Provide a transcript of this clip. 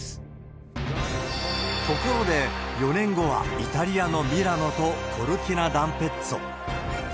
ところで、４年後はイタリアのミラノとコルティナダンペッツォ。